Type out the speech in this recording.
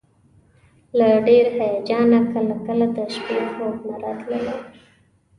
له ډېر هیجانه کله کله د شپې خوب نه راتللو.